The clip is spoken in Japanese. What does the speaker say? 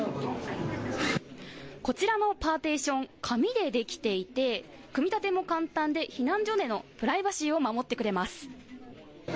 こちらのパーティション、紙でできていて組み立ても簡単で避難所でのプライバシーを守ってくれます。